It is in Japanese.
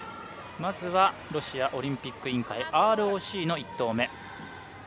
まずはロシアオリンピック委員会ＲＯＣの１投目。